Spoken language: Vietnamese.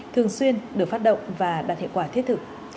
thường xuyên được phát động và đạt hiệu quả thiết thực